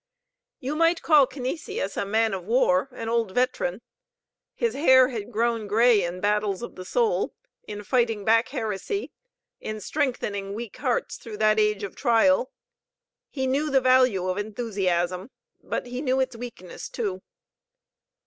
You might call Canisius a man of war, an old veteran. His hair had grown gray in battles of the soul, in fighting back heresy, in strengthening weak hearts through that age of trial. He knew the value of enthusiasm, but he knew its weakness, too.